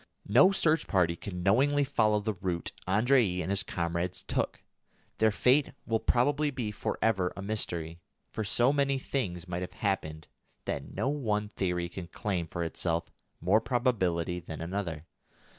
No search party can knowingly follow the route Andrée and his comrades took. Their fate will probably be for ever a mystery, for so many things might have happened that no one theory can claim for itself more probability than another.